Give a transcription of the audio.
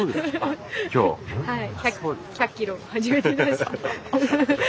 はい。